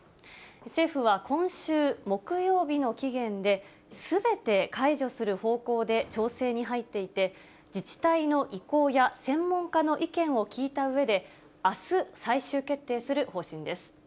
政府は今週木曜日の期限で、すべて解除する方向で調整に入っていて、自治体の意向や専門家の意見を聞いたうえで、あす、最終決定する方針です。